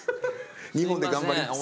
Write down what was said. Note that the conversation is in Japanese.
日本で頑張ります。